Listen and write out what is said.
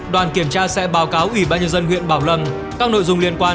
đoàn kiểm tra sẽ báo cáo ủy ban nhân dân huyện bảo lâm các nội dung liên quan